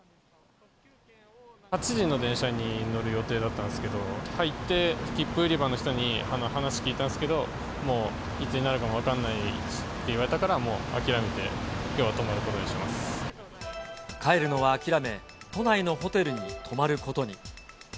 ８時の電車に乗る予定だったんですけど、入って切符売り場の人に話聞いたんですけど、もういつになるか分かんないって言われたから、もう諦めて、帰るのは諦め、都内のホテルに泊まることに。